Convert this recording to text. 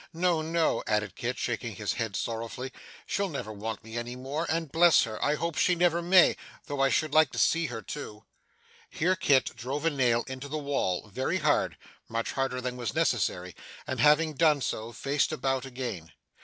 No, no,' added Kit, shaking his head sorrowfully, 'she'll never want me any more, and bless her, I hope she never may, though I should like to see her too!' Here Kit drove a nail into the wall, very hard much harder than was necessary and having done so, faced about again.